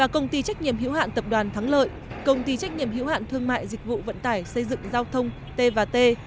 công ty trách nhiệm hữu hạn tập đoàn thắng lợi công ty trách nhiệm hữu hạn thương mại dịch vụ vận tải xây dựng giao thông t t